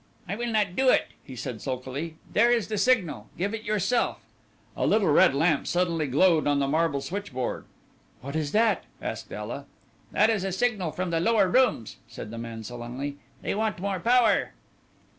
"I will not do it," he said sulkily. "There is the signal; give it yourself." A little red lamp suddenly glowed on the marble switchboard. "What is that?" asked Ela. "That is a signal from the lower rooms," said the man sullenly; "they want more power."